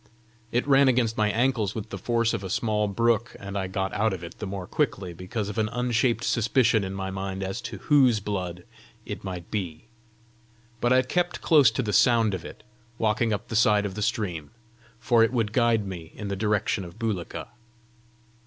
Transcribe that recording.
It ran against my ankles with the force of a small brook, and I got out of it the more quickly because of an unshaped suspicion in my mind as to whose blood it might be. But I kept close to the sound of it, walking up the side of the stream, for it would guide me in the direction of Bulika.